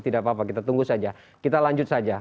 tidak apa apa kita tunggu saja kita lanjut saja